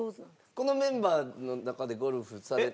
このメンバーの中でゴルフされる。